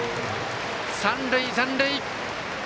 三塁、残塁！